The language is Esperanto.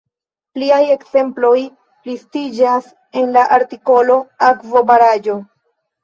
Pliaj ekzemploj listiĝas en la artikolo akvobaraĵo.